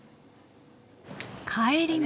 帰り道。